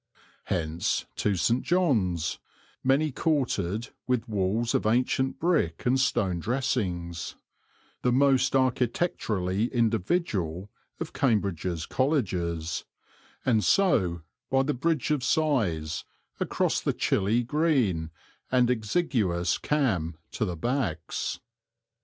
Hence to St. John's, many courted, with walls of ancient brick and stone dressings, the most architecturally individual of Cambridge's colleges, and so, by the Bridge of Sighs, across the chilly, green, and exiguous Cam to the Backs.